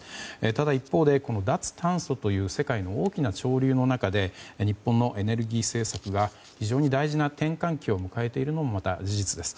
ただ一方で、脱炭素という世界の大きな潮流の中で日本のエネルギー政策が非常に大事な転換期を迎えているのもまた事実です。